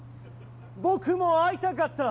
僕も会いたかった。